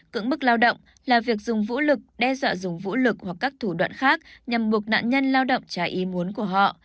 cưỡng bức lao động là việc dùng vũ lực đe dọa dùng vũ lực hoặc các thủ đoạn khác nhằm buộc nạn nhân lao động trải ý muốn của họ